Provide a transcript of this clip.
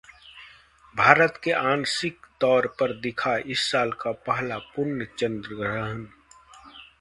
भारत में आंशिक तौर पर दिखा इस साल का पहला पूर्ण चंद्र ग्रहण